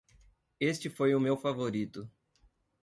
Este foi o meu favorito!